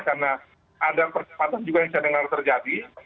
karena ada persyaratan juga yang saya dengar terjadi